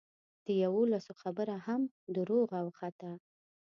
د یوولسو خبره هم دروغه وخته.